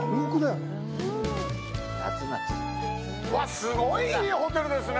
うわっ、すごい、いいホテルですね。